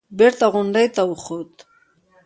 بېرته غونډۍ ته وخوت.